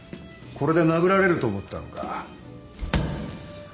これで殴られると思ったのか。